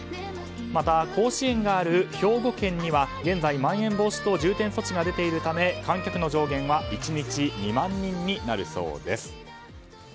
また、甲子園がある兵庫県には現在、まん延防止等重点措置が出ているため、観客の上限は１日２万人になるそうです。